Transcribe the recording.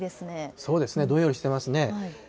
そうですね、どんよりしてますね。